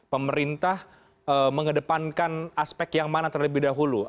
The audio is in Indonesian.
pemerintah mengedepankan aspek yang mana terlebih dahulu